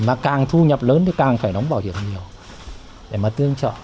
mà càng thu nhập lớn thì càng phải đóng bảo hiểm nhiều để mà tương trợ